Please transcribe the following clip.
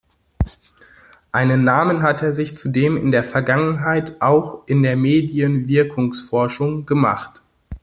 Einen Namen hat er sich zudem in der Vergangenheit auch in der Medienwirkungsforschung gemacht.